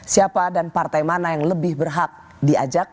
siapa dan partai mana yang lebih berhak diajak